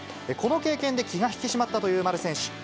この経験で気が引き締まったという丸選手。